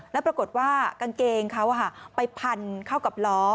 แล้วปรากฏว่ากางเกงเขาไปพันเข้ากับล้อ